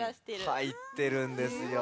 はいってるんですよ。